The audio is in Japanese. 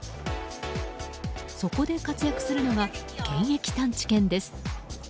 そこで活躍するのが検疫探知犬です。